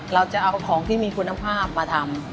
เราจะเอาของที่มีคุณภาพมาทำ